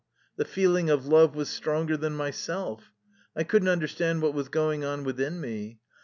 The feeling of love was stronger than myself. I couldn't understand what was going on within me.